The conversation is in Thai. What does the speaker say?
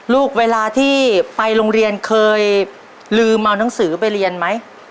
เวลาที่ไปโรงเรียนเคยลืมเอานังสือไปเรียนไหม